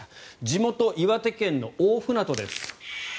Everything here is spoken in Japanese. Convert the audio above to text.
地元・岩手県の大船渡です。